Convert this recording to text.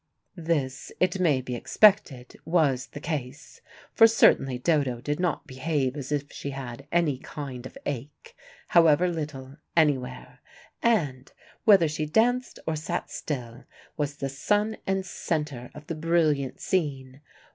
This, it may be expected, was the case, for certainly Dodo did not behave as if she had any kind of ache, however little, anywhere, and, whether she danced or sat still, was the sun and center of the brilliant scene.